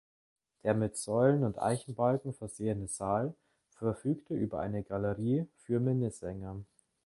Der mit Säulen und Eichenbalken versehene Saal verfügt über eine Galerie für Minnesänger.